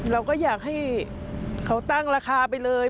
เราก็อยากให้เขาตั้งราคาไปเลย